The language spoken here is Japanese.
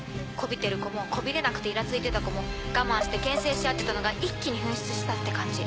媚びてる子も媚びれなくてイラついてた子も我慢して牽制し合ってたのが一気に噴出したって感じ。